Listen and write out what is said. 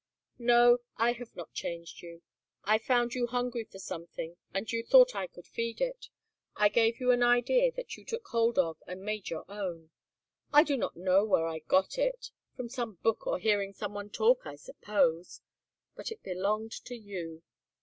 "No, I have not changed you. I found you hungry for something and you thought I could feed it. I gave you an idea that you took hold of and made your own. I do not know where I got it, from some book or hearing some one talk, I suppose. But it belonged to you.